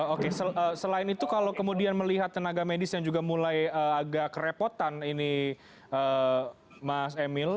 oke selain itu kalau kemudian melihat tenaga medis yang juga mulai agak kerepotan ini mas emil